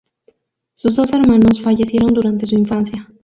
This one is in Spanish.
Sus dos hermanos fallecieron durante su infancia.